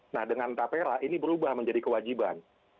nah dengan tapera ini berubah menjadi kewajiban